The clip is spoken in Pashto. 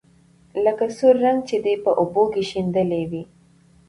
لکه سور رنګ چې دې په اوبو کې شېندلى وي.